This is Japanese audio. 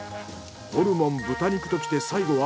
ホルモン豚肉ときて最後は。